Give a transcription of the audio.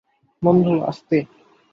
বন্ধু, আস্তে।